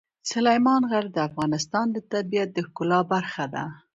سلیمان غر د افغانستان د طبیعت د ښکلا برخه ده.